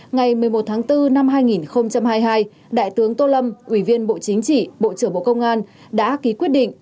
ngày một mươi một tháng bốn năm hai nghìn hai mươi hai đại tướng tô lâm ủy viên bộ chính trị bộ trưởng bộ công an đã ký quyết định